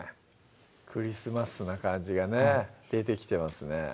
クリスマスな感じがね出てきてますね